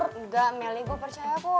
enggak mel gue percaya kok